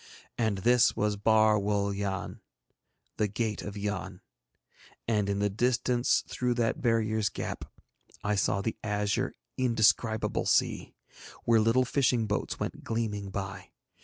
And this was Bar Wul Yann, the gate of Yann, and in the distance through that barrier's gap I saw the azure indescribable sea, where little fishing boats went gleaming by.